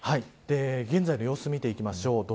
現在の様子を見ていきましょう。